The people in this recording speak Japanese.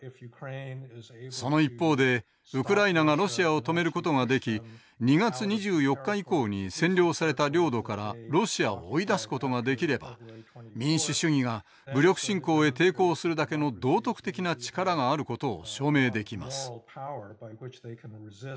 その一方でウクライナがロシアを止めることができ２月２４日以降に占領された領土からロシアを追い出すことができれば民主主義が武力侵攻へ抵抗するだけの道徳的な力があることを証明できます。